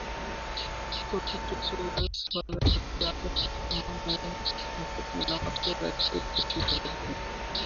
প্রথম টেস্টে ওয়েস হলের হাতে আঘাতপ্রাপ্ত হন ও হাসপাতালে নেয়ার পর এক্স-রেতে চির ধরা পড়ে।